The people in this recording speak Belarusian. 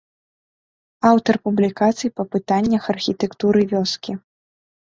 Аўтар публікацый па пытаннях архітэктуры вёскі.